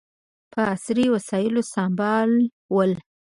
په عصري وسلو سمبال ول.